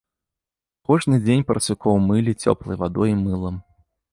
Кожны дзень парсюкоў мылі цёплай вадой і мылам.